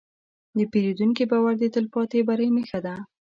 د پیرودونکي باور د تلپاتې بری نښه ده.